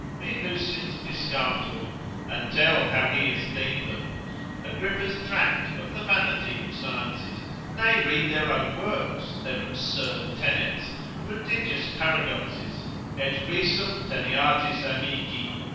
Read Lucian's Piscator, and tell how he esteemed them; Agrippa's Tract of the vanity of Sciences; nay read their own works, their absurd tenets, prodigious paradoxes, et risum teneatis amici?